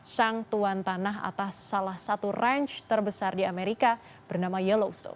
sang tuan tanah atas salah satu ranch terbesar di amerika bernama yellowsto